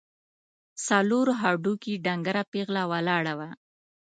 څلور هډوکي، ډنګره پېغله ولاړه وه.